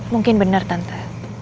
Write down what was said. mungkin benar tante